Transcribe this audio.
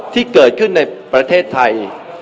ที่เกิดขึ้นในประเทศไทย